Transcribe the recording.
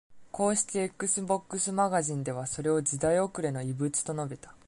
公式 Xbox マガジンでは、それを「時代遅れの遺物」と述べた。